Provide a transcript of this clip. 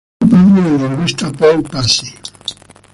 Fue padre del lingüista Paul Passy.